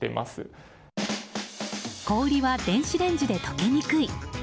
氷は電子レンジで溶けにくい。